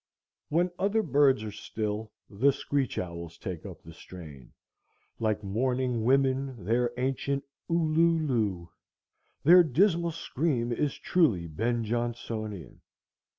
When other birds are still the screech owls take up the strain, like mourning women their ancient u lu lu. Their dismal scream is truly Ben Jonsonian.